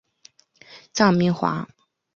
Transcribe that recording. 臧明华。